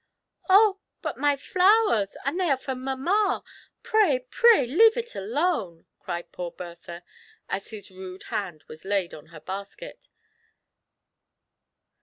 " Oh !— but my flowers — ^they are for mamma — ^pray, pray leave it alone !" cried poor Bertha, as his rude hand was laid on her basket.